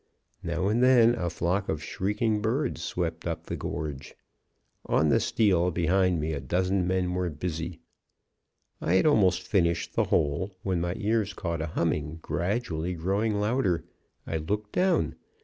Now and then a flock of shrieking birds swept up the gorge. On the steel behind me a dozen men were busy. "I had almost finished the hole, when my ears caught a humming, gradually growing louder. I looked down.